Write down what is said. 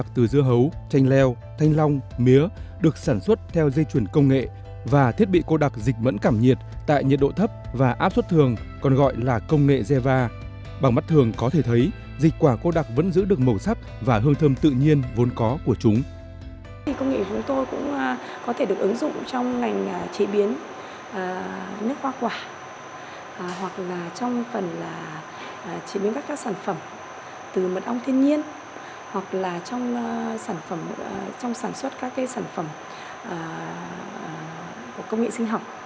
tuy nhiên hoặc là trong sản xuất các sản phẩm của công nghệ sinh học